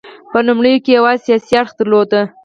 په لومړیو کې یوازې سیاسي اړخ درلود